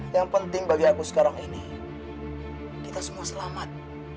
yang penting bagi aku sekarang ini kita semua selamat